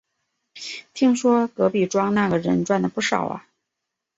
听说隔壁庄那个人赚了不少啊